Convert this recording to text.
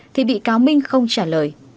thì bị cáo minh không trả lời